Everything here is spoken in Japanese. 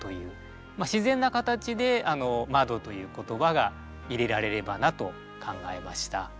自然な形で窓という言葉が入れられればなと考えました。